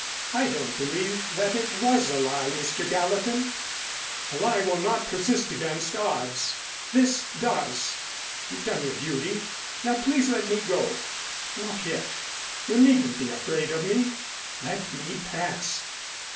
"I don't believe that it was a lie, Mr. Gallatin. A lie will not persist against odds. This does. You've done your duty. Now please let me go." "Not yet. You needn't be afraid of me." "Let me pass."